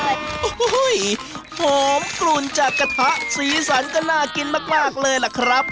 โอ้โหหอมกลุ่นจากกระทะสีสันก็น่ากินมากเลยล่ะครับ